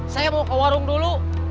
saya mau ke warung dulu